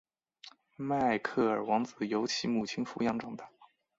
迈克尔王子由其母亲抚养长大。